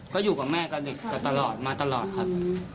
ก็อยู่กับแม่เด็กมาตลอดครับ